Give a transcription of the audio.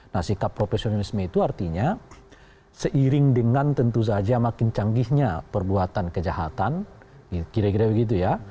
nah sikap profesionalisme itu artinya seiring dengan tentu saja makin canggihnya perbuatan kejahatan kira kira begitu ya